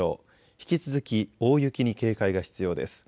引き続き大雪に警戒が必要です。